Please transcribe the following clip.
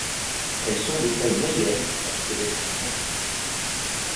Elles sont de taille moyenne à squelette fin.